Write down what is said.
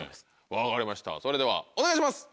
分かりましたそれではお願いします。